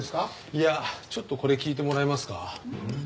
いやちょっとこれ聞いてもらえますか？